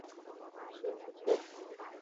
শুরু হচ্ছে এটা!